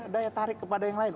daya tarik kepada yang lain